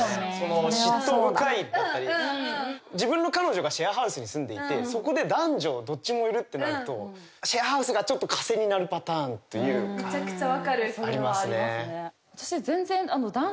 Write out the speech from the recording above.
嫉妬深いだったり自分の彼女がシェアハウスに住んでいてそこで男女どっちもいるってなるとシェアハウスがちょっとかせになるパターンというかめちゃくちゃ分かるそれはありますね